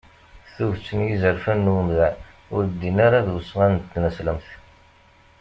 Tuget n yizerfan n wemdan ur ddin ara d usɣan n tneslemt.